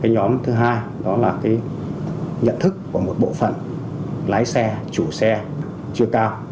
nhóm thứ hai đó là nhận thức của một bộ phận lái xe chủ xe chưa cao